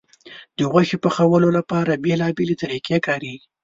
د غوښې پخولو لپاره بیلابیلې طریقې کارېږي.